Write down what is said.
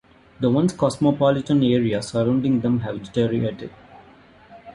The once cosmopolitan areas surrounding them have deteriorated.